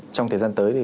trong thời gian tới